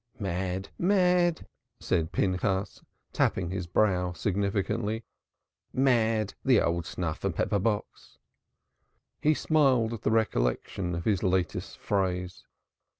"Mad! Mad!" said Pinchas, tapping his brow significantly; "mad, the old snuff and pepper box." He smiled at the recollection of his latest phrase.